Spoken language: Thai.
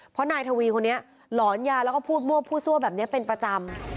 เพราะนายทวีคนนี้หลอนยาแล้วก็พูดมั่วพูดซั่วแบบนี้เป็นประจำ